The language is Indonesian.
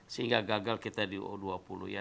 sehingga gagal kita di u dua puluh ya